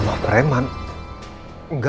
nanti kalau ber noonan ke setengah pangkalan